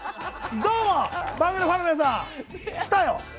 どうも番組のファンの皆さん。来たよ！